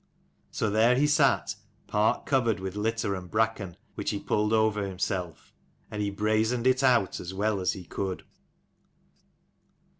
So there he sat, part covered with litter and bracken which he pulled over himself; and he brazened it out as well as he could.